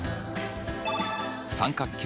三角形